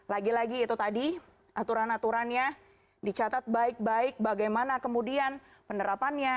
lagi lagi itu tadi aturan aturannya dicatat baik baik bagaimana kemudian penerapannya